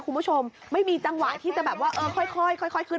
คุณผู้ชมไม่มีจังหวะที่จะแบบว่าเออค่อยขึ้น